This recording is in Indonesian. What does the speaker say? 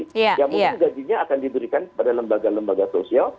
ya mungkin gajinya akan diberikan pada lembaga lembaga sosial